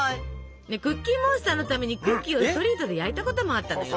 クッキーモンスターのためにクッキーをストリートで焼いたこともあったのよ。